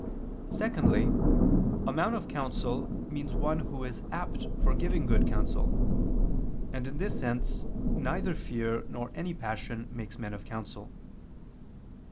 Secondly, a man of counsel means one who is apt for giving good counsel: and in this sense, neither fear nor any passion makes men of counsel.